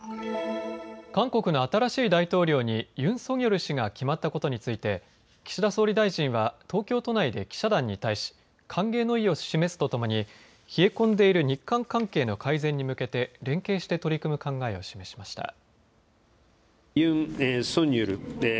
韓国の新しい大統領にユン・ソギョル氏が決まったことについて岸田総理大臣は東京都内で記者団に対し、歓迎の意を示すとともに冷え込んでいる日韓関係の改善に向けて連携して取り組む考えを示しました。